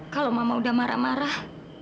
kalau mama udah marah marah